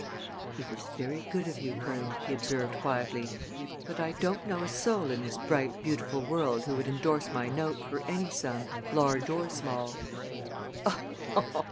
"It is very good of you, Colonel," he observed quietly, "but I don't know a soul in this bright, beautiful world who would indorse my note for any sum, large or small."